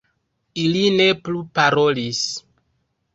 Ili ne plu parolis.